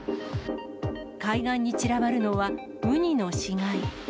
海岸に散らばるのは、ウニの死骸。